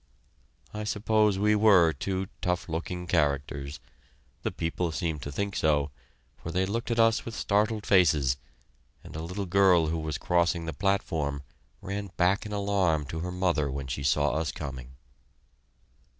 I suppose we were two tough looking characters. The people seemed to think so, for they looked at us with startled faces, and a little girl who was crossing the platform ran back in alarm to her mother when she saw us coming.